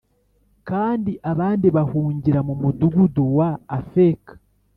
Kandi abandi bahungira mu mudugudu wa Afeka